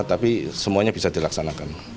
tapi semuanya bisa dilaksanakan